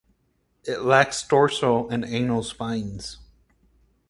It lacks dorsal and anal spines.